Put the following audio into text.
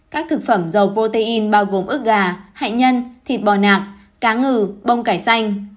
các thực phẩm giàu protein bao gồm ức gà hại nhân thịt bò nạp cá ngừ bông cải xanh